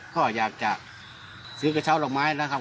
ก็อยากจะซื้อกระเช้าดอกไม้นะครับ